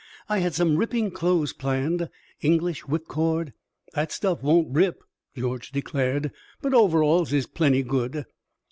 I had some ripping clothes planned English whip cord " "That stuff won't rip," George declared. "But over alls is plenty good."